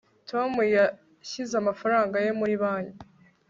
tom yashyize amafaranga ye muri banki